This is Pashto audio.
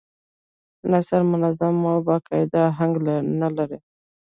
نثر منظم او با قاعده اهنګ نه لري.